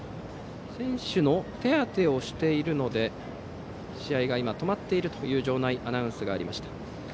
選手の手当てをしているので試合が止まっているという場内アナウンスがありました。